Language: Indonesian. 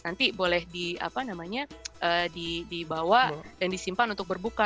nanti boleh di apa namanya dibawa dan disimpan untuk berbuka